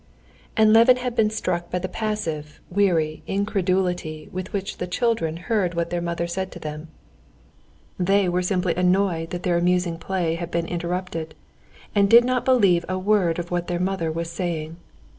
And Levin had been struck by the passive, weary incredulity with which the children heard what their mother said to them. They were simply annoyed that their amusing play had been interrupted, and did not believe a word of what their mother was saying.